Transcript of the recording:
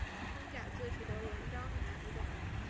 通假字使得文章很难读懂。